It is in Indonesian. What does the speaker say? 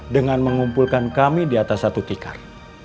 dengan mengumpulkan kami di atas satu tikar